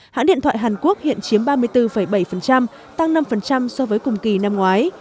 hãng điện thoại hàn quốc hiện chiếm ba mươi bốn bảy tăng năm so với cùng kỳ năm ngoái